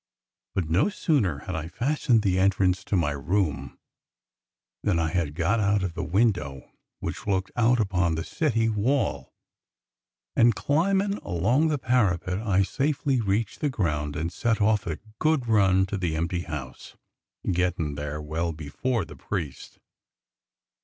But no sooner had I fastened the entrance to my room than I had got out of the window^ which looked out upon the city wall, and climbin' along the parapet I safely reached the ground and set off at a good run to the empty house, gettin' there well before the priest.